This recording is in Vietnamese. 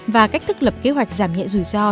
và cách thức lập kế hoạch giảm nhẹ rủi ro